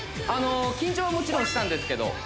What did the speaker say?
緊張はもちろんしたんですけどあっ